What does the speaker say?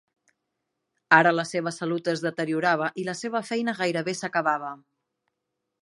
Ara la seva salut es deteriorava i la seva feina gairebé s'acabava.